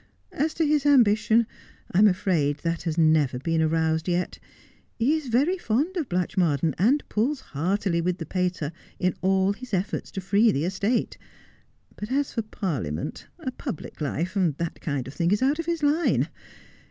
As to his ambition, I am afraid that has never been roused yet. He is very fond of Blatchmardean, and pulls heartily with the pater in all his efforts to free the estate. But as for Parliament — a public life — that kind of thing is out of his line.